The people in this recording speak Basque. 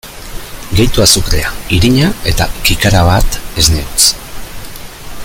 Gehitu azukrea, irina eta kikara bat esne hotz.